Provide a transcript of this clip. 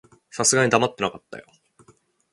さすがに黙ってなかったよ。